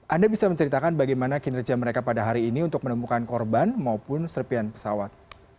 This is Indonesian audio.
anda bisa menceritakan bagaimana kinerja mereka pada hari ini untuk menemukan korban maupun serpian pesawat